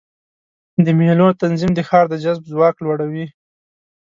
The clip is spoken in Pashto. د مېلو تنظیم د ښار د جذب ځواک لوړوي.